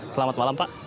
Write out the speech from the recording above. selamat malam pak